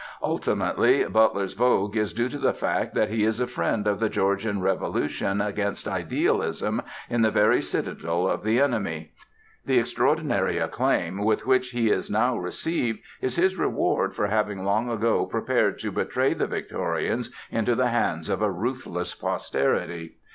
Ultimately Butler's vogue is due to the fact that he is a friend of the Georgian revolution against idealism in the very citadel of the enemy; the extraordinary acclaim with which he is now received is his reward for having long ago prepared to betray the Victorians into the hands of a ruthless posterity.